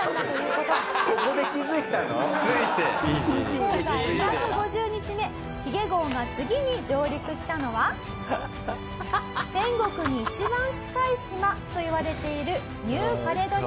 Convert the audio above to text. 航海２５０日目髭号が次に上陸したのは天国に一番近い島といわれているニューカレドニア。